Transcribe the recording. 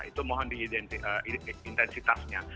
itu mohon di intensitasnya